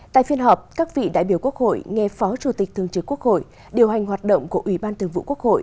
tại phiên họp các vị đại biểu quốc hội nghe phó chủ tịch thường trực quốc hội điều hành hoạt động của ủy ban thường vụ quốc hội